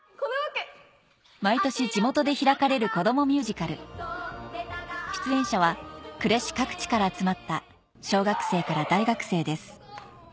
毎年地元で開かれる子供ミュージカル出演者は呉市各地から集まった小学生から大学生です